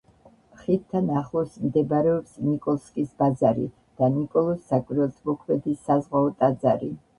ხიდთან ახლოს მდებარეობს ნიკოლსკის ბაზარი და ნიკოლოზ საკვირველთმოქმედის საზღვაო ტაძარი.